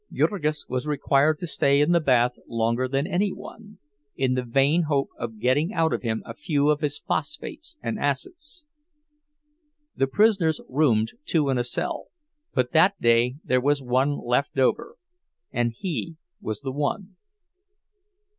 Jurgis was required to stay in the bath longer than any one, in the vain hope of getting out of him a few of his phosphates and acids. The prisoners roomed two in a cell, but that day there was one left over, and he was the one.